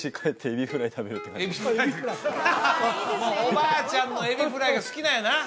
エビフライかわいいおばあちゃんのエビフライが好きなんやな？